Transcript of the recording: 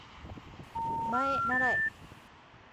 まえならえ